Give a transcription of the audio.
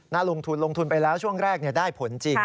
ลงทุนลงทุนไปแล้วช่วงแรกได้ผลจริง